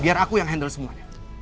biar aku yang handle semuanya